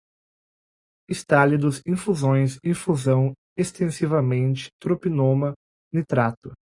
estalidos, infusões, infusão, extensivamente, tropinona, nitrato